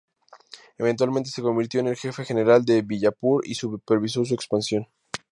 Eventualmente se convirtió en el jefe general de Bijapur y supervisó su expansión.